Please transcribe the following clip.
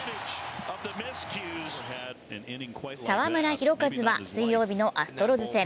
澤村拓一は水曜日のアストロズ戦。